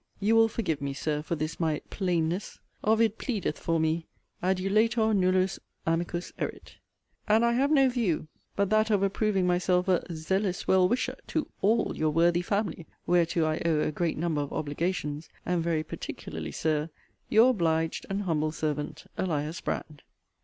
You will forgive me, Sir, for this my 'plainness.' Ovid pleadeth for me, ' Adulator nullus amicus erit.' And I have no view but that of approving myself a 'zealous well wisher' to 'all' your worthy family, (whereto I owe a great number of obligations,) and very particularly, Sir, Your obliged and humble servant, ELIAS BRAND.